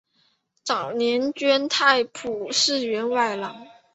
早年捐太仆寺员外郎。